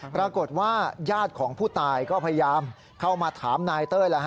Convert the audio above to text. ญาติของผู้ตายก็พยายามเข้ามาถามนายเต้ย